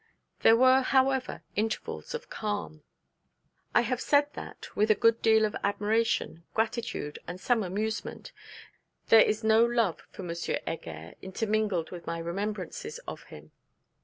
There were, however, intervals of calm. I have said that with a good deal of admiration, gratitude, and some amusement, there is no love for M. Heger intermingled with my remembrances of him.